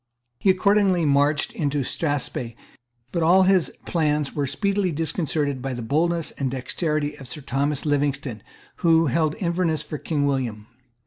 He accordingly marched into Strathspey. But all his plans were speedily disconcerted by the boldness and dexterity of Sir Thomas Livingstone, who held Inverness for King William.